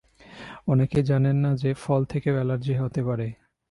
অনেকেই জানেন না যে ফল থেকেও অ্যালার্জি হতে পারে।